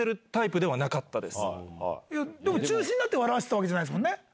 中心になって笑わせてたわけじゃないですもんね？